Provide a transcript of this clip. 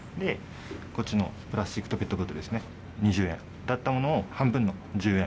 こっちのプラスチックとペットボトルですね、２０円だったものを半分の１０円。